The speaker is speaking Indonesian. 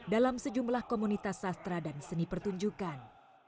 dalam sejumlah komunitas sastra dan seni pertunjukan